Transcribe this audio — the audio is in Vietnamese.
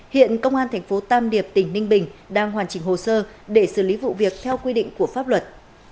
hiện công an thành phố tam điệp tỉnh ninh bình đang hoàn chỉnh hồ sơ để xử lý vụ việc theo quy định của pháp luật